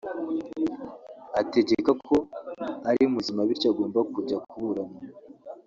ategeka ko ari muzima bityo agomba kujya kuburana